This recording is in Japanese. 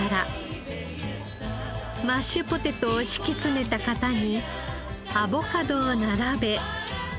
マッシュポテトを敷き詰めた型にアボカドを並べ。